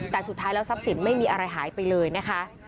แต่สุดท้ายแล้วทรัพย์สินไม่มีอะไรหายไปเลยนะคะ